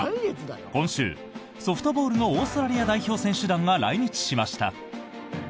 今週、ソフトボールのオーストラリア代表選手団が来日しました。